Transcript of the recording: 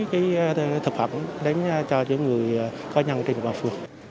cái thực phẩm đến cho những người có nhân trên địa bàn phường